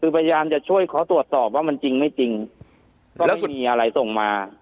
คือพยายามจะช่วยเขาตรวจสอบว่ามันจริงไม่จริงแล้วมันมีอะไรส่งมา